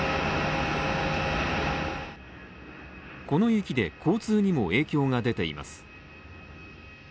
この雪で交通にも影響が出ています。